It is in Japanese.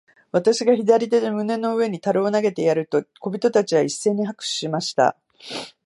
私が左手で胸の上の樽を投げてやると、小人たちは一せいに拍手しました。